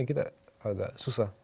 kita agak susah